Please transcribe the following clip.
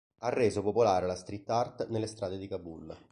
Ha reso popolare la "street art" nelle strade di Kabul.